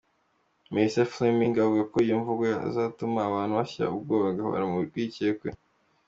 Melissa Fleming avuga ko iyo mvugo yazatuma abantu bashya ubwoba bagahora mu rwikekwe.